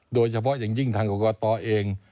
โดยเฉพาะอย่างยิ่งทางกรกตเอง